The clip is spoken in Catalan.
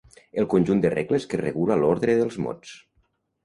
El conjunt de regles que regula l'ordre dels mots.